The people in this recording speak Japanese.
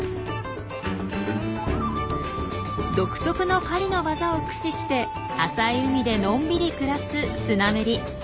独特の狩りの技を駆使して浅い海でのんびり暮らすスナメリ。